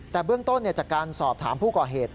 แต่เบื้องต้นจากการสอบถามผู้ก่อเหตุ